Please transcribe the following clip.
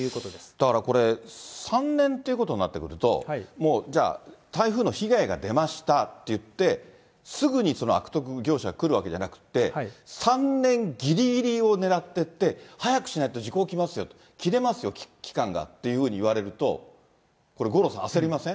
だからこれ、３年ということになってくると、もうじゃあ、台風の被害が出ましたっていって、すぐに悪徳業者が来るわけじゃなくて、３年ぎりぎりを狙ってって、早くしないと時効きますよ、切れますよ、期間がというふうに言われると、これ、五郎さん、焦りません？